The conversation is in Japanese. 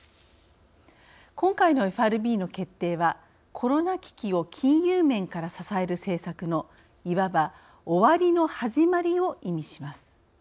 今回のＦＲＢの決定はコロナ危機を金融面から支える政策のいわば終わりの始まりを意味します。